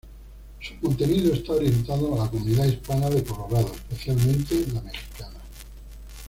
Su contenido está orientado a la comunidad hispana de Colorado, especialmente la mexicana.